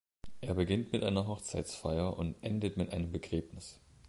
Er beginnt mit einer Hochzeitsfeier und endet mit einem Begräbnis.